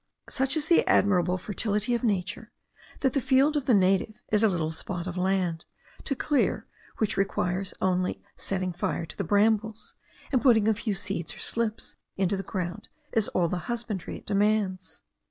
Such is the admirable fertility of nature, that the field of the native is a little spot of land, to clear which requires only setting fire to the brambles; and putting a few seeds or slips into the ground is all the husbandry it demands.